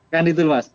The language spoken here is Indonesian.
kan itu mas